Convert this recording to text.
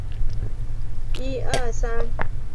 该报曾多次获得普利策奖。